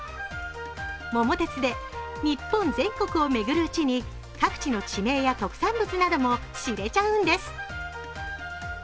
「桃鉄」で日本全国を巡るうちに各地の地名や特産物なども知れちゃうんです。